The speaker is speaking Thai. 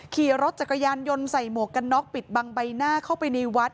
ขี่รถจักรยานยนต์ใส่หมวกกันน็อกปิดบังใบหน้าเข้าไปในวัด